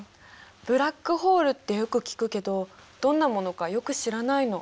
ブラックホールってよく聞くけどどんなものかよく知らないの。